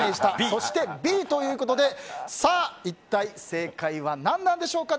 そして、Ｂということで一体、正解は何なんでしょうか。